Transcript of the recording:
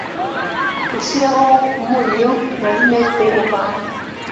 ushyireho umunyu na vinaigre uvange